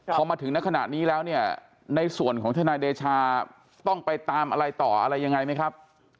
พอมาถึงในขณะนี้แล้วเนี่ยในส่วนของทนายเดชาต้องไปตามอะไรต่ออะไรยังไงไหมครับ